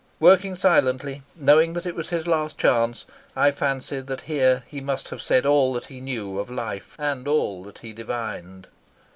Working silently, knowing that it was his last chance, I fancied that here he must have said all that he knew of life and all that he divined.